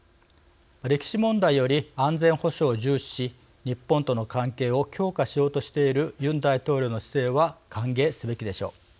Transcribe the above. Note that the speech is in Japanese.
歴史問題より安全保障を重視し日本との関係を強化しようとしているユン大統領の姿勢は歓迎すべきでしょう。